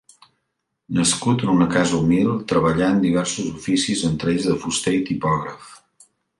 Nascut en una casa humil treballà en diversos oficis entre ells de fuster i tipògraf.